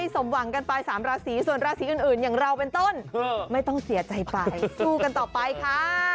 สวัสดีค่ะ